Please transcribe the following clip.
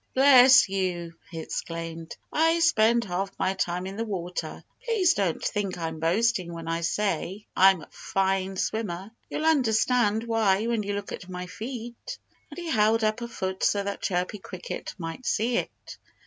"Bless you!" he exclaimed. "I spend half my time in the water. Please don't think I'm boasting when I say I'm a fine swimmer. You'll understand why when you look at my feet." And he held up a foot so that Chirpy Cricket might see it.